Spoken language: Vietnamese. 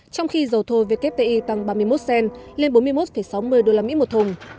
trong khi dầu thô vkti tăng ba mươi một cent lên bốn mươi một sáu mươi usd một thùng